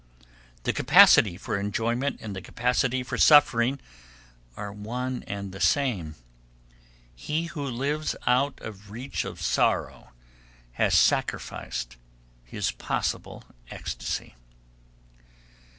The capacity for enjoyment and the capacity for suffering are one and the same. He who lives out of reach of sorrow has sacrificed his possible ecstasy.